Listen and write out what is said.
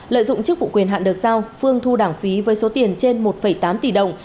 lợi dụng chức vụ quyền hạn được giao phương thu đảng phí với số tiền trên một tám tỷ đồng